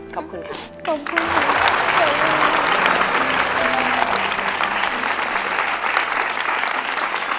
ขอบคุณครับ